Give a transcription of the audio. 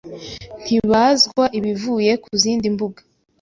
ntibazwa ibivuye ku zindi mbuga.